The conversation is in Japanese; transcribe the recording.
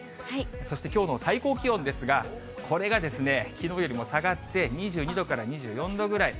そしてきょうの最高気温ですが、これがですね、きのうよりも下がって２２度から２４度ぐらい。